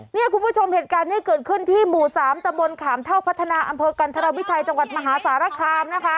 เนี่ยคุณผู้ชมเหตุการณ์นี้เกิดขึ้นที่หมู่๓ตะบนขามเท่าพัฒนาอำเภอกันธรวิชัยจังหวัดมหาสารคามนะคะ